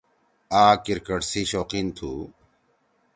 آ کرکٹ سی شوقین تُھو۔